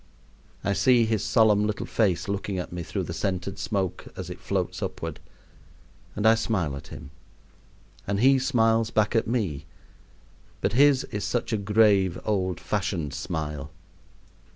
I see his solemn little face looking at me through the scented smoke as it floats upward, and I smile at him; and he smiles back at me, but his is such a grave, old fashioned smile.